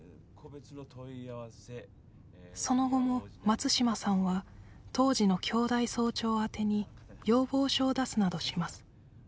その後も松島さんは当時の京大総長宛てに要望書を出すなどします